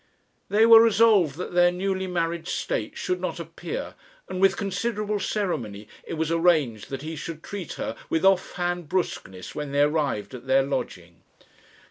They were resolved that their newly married state should not appear, and with considerable ceremony it was arranged that he should treat her with off hand brusqueness when they arrived at their lodging.